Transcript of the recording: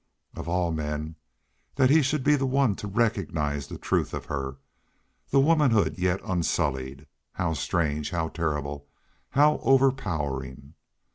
Of all men, that he should be the one to recognize the truth of her, the womanhood yet unsullied how strange, how terrible, how overpowering!